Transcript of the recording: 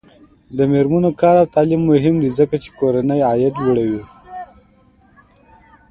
د میرمنو کار او تعلیم مهم دی ځکه چې کورنۍ عاید لوړوي.